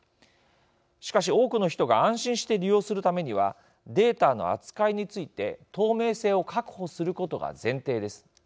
しかし多くの人が安心して利用するためにはデータの扱いについて透明性を確保することが前提です。